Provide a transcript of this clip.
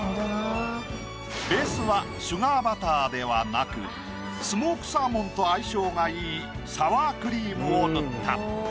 ベースはシュガーバターではなくスモークサーモンと相性が良いサワークリームを塗った。